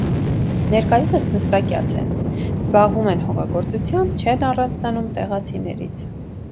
Ներկայումս նստակյաց են. զբաղվում են հողագործությամբ, չեն առանձնանում տեղացիներից։